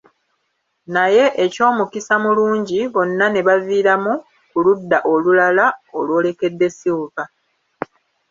Naye eky'omukisa-mulungi, bonna ne baviiramu ku ludda olulala olwolekedde Silver.